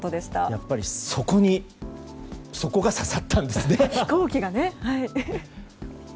やっぱりそこが刺さったんですね。